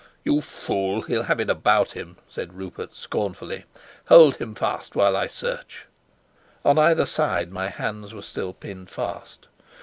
"You fool, he'll have it about him," said Rupert, scornfully. "Hold him fast while I search." On either side my hands were still pinned fast.